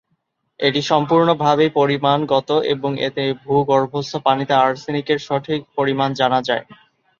এটি সম্পূর্ণভাবেই পরিমাণগত এবং এতে ভূগর্ভস্থ পানিতে আর্সেনিকের সঠিক পরিমাণ জানা যায়।